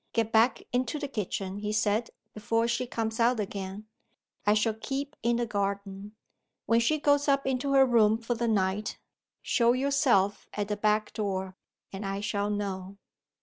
"Get back into the kitchen," he said, "before she comes out again. I shall keep in the garden. When she goes up into her room for the night, show yourself at the back door and I shall know."